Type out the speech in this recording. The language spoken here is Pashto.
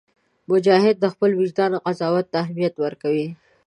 مجاهد د خپل وجدان قضاوت ته اهمیت ورکوي.